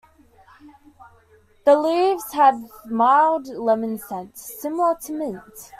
The leaves have a mild lemon scent similar to mint.